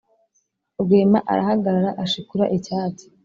rwema arahagarara ashikura icyatsi